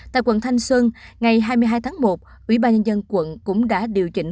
tại quận thanh xuân ngày hai mươi hai tháng một ủy ban nhân dân quận cũng đã điều chỉnh